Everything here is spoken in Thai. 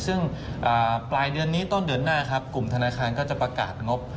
ซึ่งปลายเดือนนี้ต้นเดือนหน้าครับกลุ่มธนาคารก็จะประกาศงบ